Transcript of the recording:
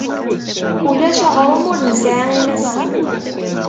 Ulac aɣrum ur nesɛi imassen.